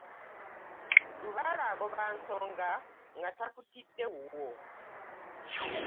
Lubaale agoba nsonga nga takutidde wuwo .